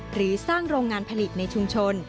หรือสร้างโรงงานผลิตในชุมชน